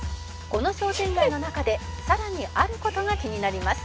「この商店街の中でさらにある事が気になります」